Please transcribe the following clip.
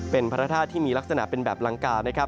เป็นพระธาตุที่มีลักษณะเป็นแบบลังกานะครับ